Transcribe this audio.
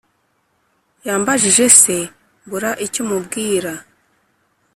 yambajije se mbura icyo mubwira